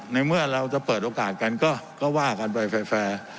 ในเมื่อเราจะเปิดโอกาสกันก็ว่ากันไปแฟร์